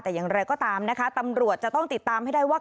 แต่อย่างไรก็ตามนะคะตำรวจจะต้องติดตามให้ได้ว่า